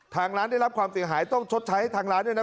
ทางร้านได้รับความเสียหายต้องชดใช้ให้ทางร้านด้วยนะ